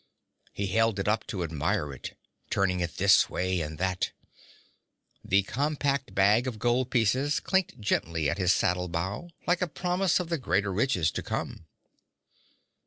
He held it up to admire it, turning it this way and that. The compact bag of gold pieces clinked gently at his saddle bow, like a promise of the greater riches to come.